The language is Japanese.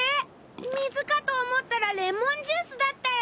水かと思ったらレモンジュースだったよ！